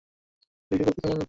Coffee কেমন লাগল আমি লিখে দেব।